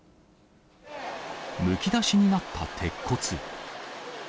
むき出しになった鉄骨。